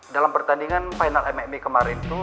dalam pertandingan final mma kemarin itu